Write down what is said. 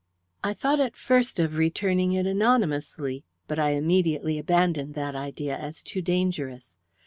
"I thought at first of returning it anonymously, but I immediately abandoned that idea as too dangerous.